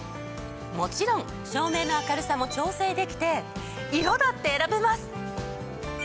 もちろん照明の明るさも調整できて色だって選べます！